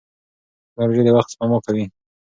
ټکنالوژي د وخت سپما کوي.